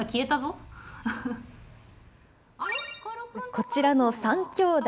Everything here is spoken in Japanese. こちらの３兄弟。